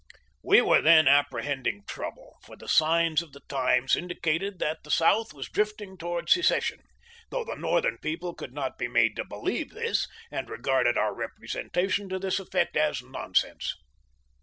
We were then apprehending trouble, for the signs of the times indicated that the South was drifting toward secession, though the Northern people could not be made to believe this, and regarded our repre sentation to this effect as nonsense.